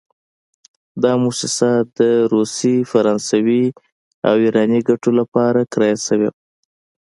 دا موسسه د روسي، فرانسوي او ایراني ګټو لپاره کرایه شوې وه.